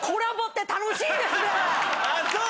あっそう？